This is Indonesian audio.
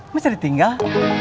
masih ada tinggal